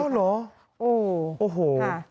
อ๋อเหรอโอ้โห